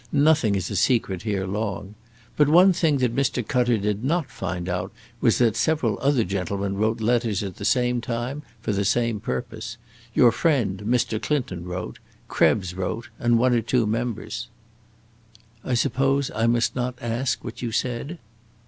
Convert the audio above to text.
Nothing is a secret here long. But one thing that Mr. Cutter did not find out was that several other gentlemen wrote letters at the same time, for the same purpose. Your friend, Mr. Clinton, wrote; Krebs wrote; and one or two members." "I suppose I must not ask what you said?"